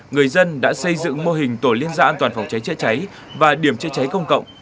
người dân đã xây dựng mô hình tổ liên gia an toàn phòng cháy chữa cháy và điểm chữa cháy công cộng